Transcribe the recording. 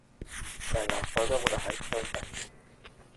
Sein Nachfolger wurde Heinz Kirchhoff.